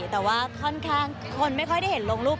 แต่ว่าค่อนข้างคนไม่ค่อยได้เห็นลงรูป